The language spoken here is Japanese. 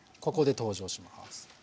ここで登場します。